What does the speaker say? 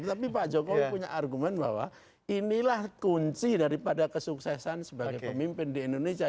tetapi pak jokowi punya argumen bahwa inilah kunci daripada kesuksesan sebagai pemimpin di indonesia